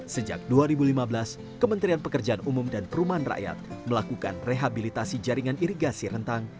sejak dua ribu lima belas kementerian pekerjaan umum dan perumahan rakyat melakukan rehabilitasi jaringan irigasi rentang